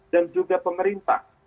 dan juga pemerintah